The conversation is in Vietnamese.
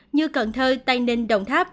như cần thơ tây ninh đồng tháp